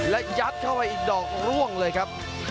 และยัดเข้าไปอีกดอกร่วงเลยครับ